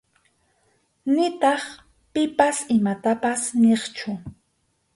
Nitaq pipas imatapas niqchu.